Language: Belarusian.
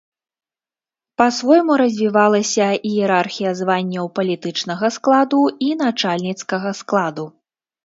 Па-свойму развівалася іерархія званняў палітычнага складу і начальніцкага складу.